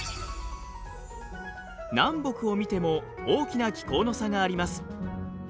南北を見ても大きな気候の差があります。